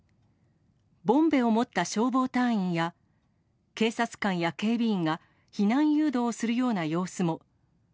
ボンベを持った消防隊員や、警察官や警備員が避難誘導するような様子も。